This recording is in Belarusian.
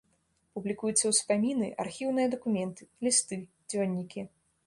Публікуюцца ўспаміны, архіўныя дакументы, лісты, дзённікі.